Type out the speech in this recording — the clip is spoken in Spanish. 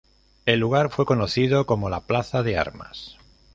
El lugar fue conocido como la "Plaza de Armas".